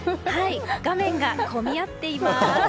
画面が混み合っています。